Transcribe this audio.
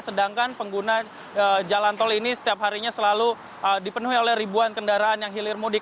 sedangkan pengguna jalan tol ini setiap harinya selalu dipenuhi oleh ribuan kendaraan yang hilir mudik